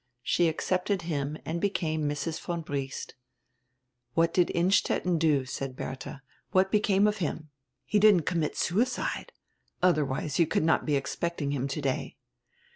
She accepted him and became Mrs. von Briest." "What did Innstetten do?" said Bertha, "what became of him? He didn't commit suicide, otherwise you could not be expecting him today."